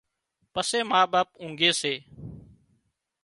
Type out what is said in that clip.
پسي ما پان اونگھي سي